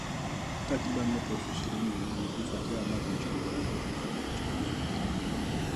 Takriban watu elfu ishirini na nane hufa kila mwaka nchini Uganda kutokana na uchafuzi wa hali ya hewa.